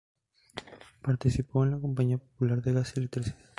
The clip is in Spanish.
Participó en la Compañía Popular de Gas y Electricidad.